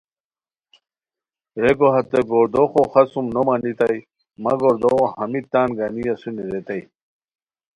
ریکو ہتے گوردوغو خڅوم نو مانیتائے، مہ گردوغو ہمیت تان گانی اسونی ریتائے